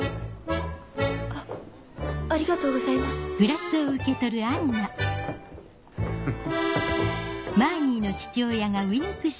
あありがとうございます。フフフ。